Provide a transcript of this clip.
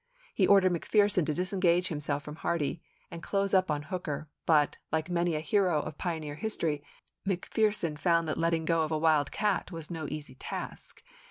He ordered McPherson to disengage himself from Hardee, and close up on Hooker, but, like many a hero of pioneer history, McPherson found that letting go of a wild cat was no easy task.